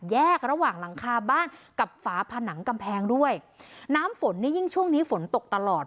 แยกระหว่างหลังคาบ้านกับฝาผนังกำแพงด้วยน้ำฝนนี่ยิ่งช่วงนี้ฝนตกตลอด